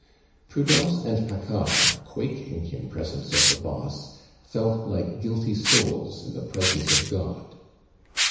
Prudence and Paccard, quaking in presence of the boss, felt like guilty souls in the presence of God.